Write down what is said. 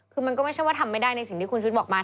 คือมันก็ไม่ใช่ว่าทำไม่ได้ในสิ่งที่คุณชุดบอกมา